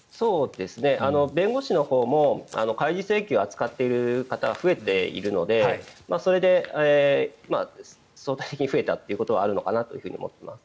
弁護士のほうも開示請求を扱っている方は増えているので、それで相対的に増えたということはあるのかなと思っています。